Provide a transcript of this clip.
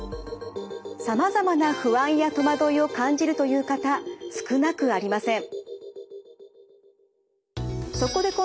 さまざまな不安や戸惑いを感じるという方少なくありません。